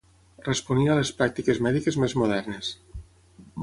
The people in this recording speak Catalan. Responia a les pràctiques mèdiques més modernes